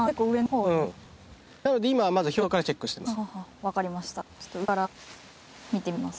うんなので今はまず表層からチェックしてます